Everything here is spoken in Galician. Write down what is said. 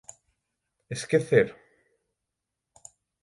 "Esquecer"?